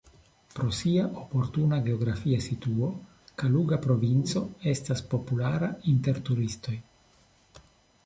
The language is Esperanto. Pro sia oportuna geografia situo Kaluga provinco estas populara inter turistoj.